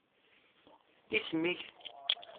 Isem-ik?